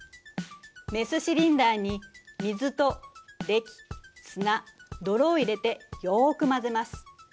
メスシリンダーに水とれき砂泥を入れてよく混ぜます。